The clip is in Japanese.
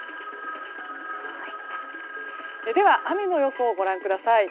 では、雨の予想をご覧ください。